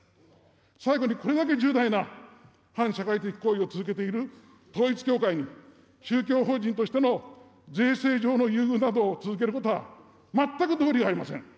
最後にこれだけ重大な反社会的行為を続けている統一教会に、宗教法人としての税制上の優遇などを続けることは、全く道理がありません。